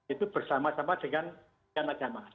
itu bersama sama dengan tiga narasumber